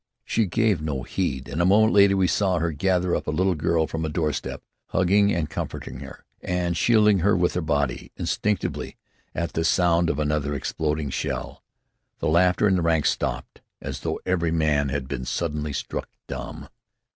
She gave no heed, and a moment later we saw her gather up a little girl from a doorstep, hugging and comforting her, and shielding her with her body, instinctively, at the sound of another exploding shell. The laughter in the ranks stopped as though every man had been suddenly struck dumb.